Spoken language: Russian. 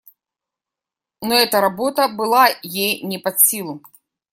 Но эта работа была ей не под силу.